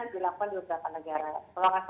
dilakukan di beberapa negara